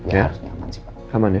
ya harusnya aman pak